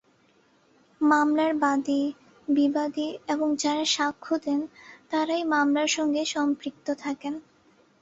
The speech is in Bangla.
মামলার বাদী, বিবাদী এবং যাঁরা সাক্ষ্য দেন, তাঁরাই মামলার সঙ্গে সম্পৃক্ত থাকেন।